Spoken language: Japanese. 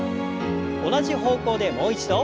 同じ方向でもう一度。